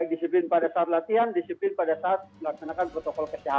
disiplin pada saat latihan disiplin pada saat melaksanakan protokol kesehatan